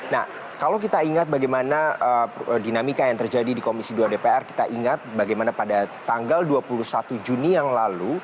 nah kalau kita ingat bagaimana dinamika yang terjadi di komisi dua dpr kita ingat bagaimana pada tanggal dua puluh satu juni yang lalu